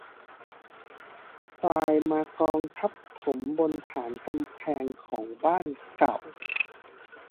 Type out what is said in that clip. ทรายมากองทับถมบนฐานกำแพงของบ้านเก่า